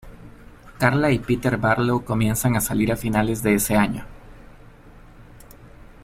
Carla y Peter Barlow comienzan a salir a finales de ese año.